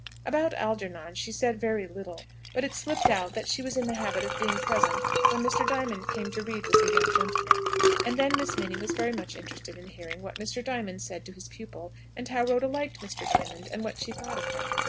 About Algernon she said very little; but it slipped out that she was in the habit of being present when Mr. Diamond came to read with the young gentleman; and then Miss Minnie was very much interested in hearing what Mr. Diamond said to his pupil, and how Rhoda liked Mr. Diamond, and what she thought of him.